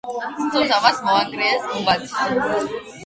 თუმცა მას მოანგრიეს გუმბათი.